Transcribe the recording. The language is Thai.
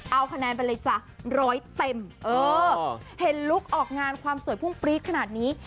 เอาคะแนนไปเลยจ้ะร้อยเต็มเออเห็นลุคออกงานความสวยพุ่งปรี๊ดขนาดนี้